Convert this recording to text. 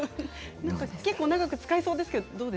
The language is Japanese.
結構長く使えそうですけど。